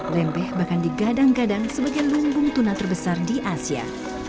lempeh bahkan digadang gadang sebagai lumbung tuna terbesar di asia